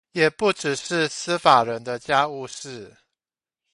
也不只是司法人的家務事